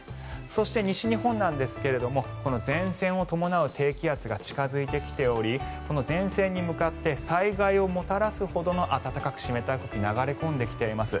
そして西日本なんですが前線を伴う低気圧が近付いてきておりこの前線に向かって災害をもたらすほどの暖かく湿った空気が流れ込んできています。